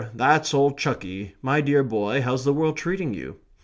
That's old Chucky. My dear boy, how's the world treating you?"